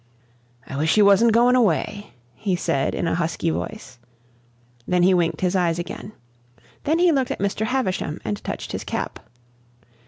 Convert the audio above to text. "I wish ye wasn't goin' away," he said in a husky voice. Then he winked his eyes again. Then he looked at Mr. Havisham, and touched his cap.